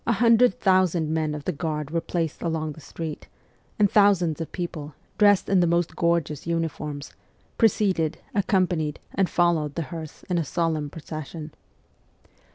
A hundred thousand men of the Guard were placed along the streets, and thousands of people, dressed in the most gorgeous uniforms, preceded, accompanied, and followed the hearse in a solemn procession.